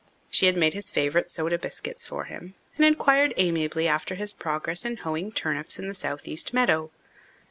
She had made his favourite soda biscuits for him and inquired amiably after his progress in hoeing turnips in the southeast meadow.